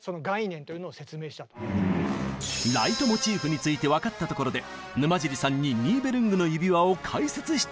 ライトモチーフについて分かったところで沼尻さんに「ニーベルングの指環」を解説して頂きます。